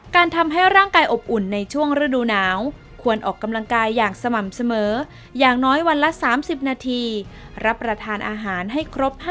การทำให้ร่างกายอบอุ่นในช่วงศรดูหนาวควรออกกำลังกายอย่างสม่ำเสมออย่างน้อยวันละ๓๐นาที